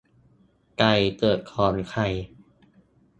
ไก่เกิดก่อนไข่